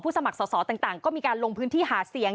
สมัครสอสอต่างก็มีการลงพื้นที่หาเสียง